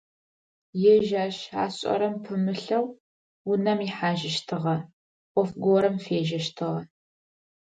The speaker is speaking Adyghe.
Ежь ащ ашӀэрэм пымылъэу, унэм ихьажьыщтыгъэ, Ӏоф горэм фежьэщтыгъэ.